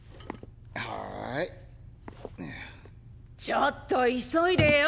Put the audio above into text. ちょっと急いでよ。